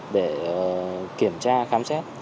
để kiểm tra khám xét